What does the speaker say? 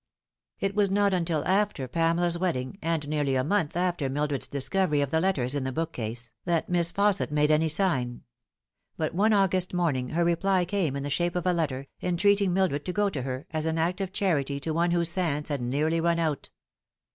It was not until after Pamela's wedding, and nearly a month after Mildred's discovery of the letters in the bookcase, that Miss Fausset made any sign ; but one August moaning her reply came in the shape of a letter, entreating Mildred to go to her, as an act of charity to one whose sands had nearly run out.